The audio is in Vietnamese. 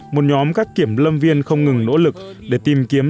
một nhóm các kiểm lâm viên không ngừng nỗ lực để tìm kiếm